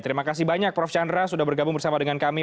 terima kasih banyak prof chandra sudah bergabung bersama dengan kami